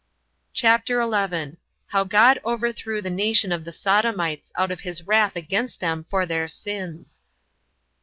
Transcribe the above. CHAPTER 11. How God Overthrew The Nation Of The Sodomites, Out Of His Wrath Against Them For Their Sins.